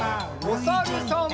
おさるさん。